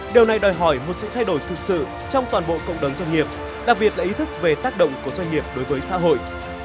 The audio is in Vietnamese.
điều này đòi hỏi một sự thay đổi thực sự trong toàn bộ cộng đồng doanh nghiệp đặc biệt là ý thức về tác động của doanh nghiệp đối với xã hội